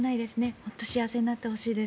本当に幸せになってほしいです。